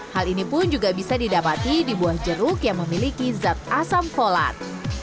hal ini pun juga bisa didapati di buah jeruk yang memiliki zat asam folat